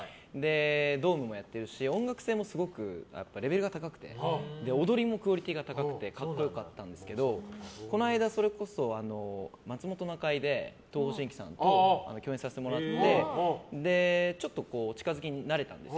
ドームもやってるし音楽性もすごくレベルが高くて踊りもクオリティーが高くて格好良かったんですけどこの間、「まつもｔｏなかい」で東方神起さんと共演させてもらってちょっとお近づきになれたんです。